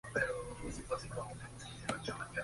Su sustituto es el Linares Deportivo.